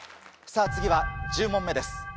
次は１０問目です。